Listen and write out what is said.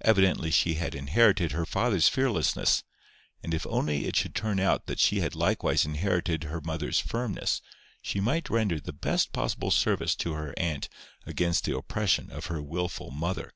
Evidently she had inherited her father's fearlessness; and if only it should turn out that she had likewise inherited her mother's firmness, she might render the best possible service to her aunt against the oppression of her wilful mother.